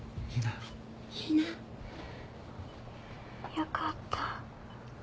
よかった。